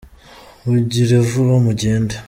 mugirevuba mugende.